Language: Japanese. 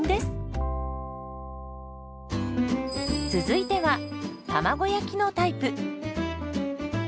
続いては卵焼きのタイプ。